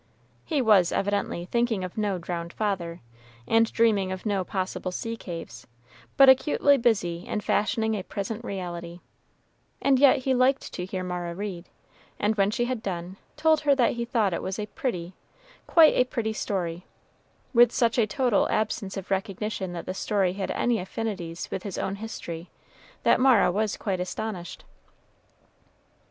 He was, evidently, thinking of no drowned father, and dreaming of no possible sea caves, but acutely busy in fashioning a present reality; and yet he liked to hear Mara read, and, when she had done, told her that he thought it was a pretty quite a pretty story, with such a total absence of recognition that the story had any affinities with his own history, that Mara was quite astonished.